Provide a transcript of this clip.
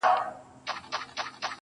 څنگه درد دی، څنگه کيف دی، څنگه راز دی_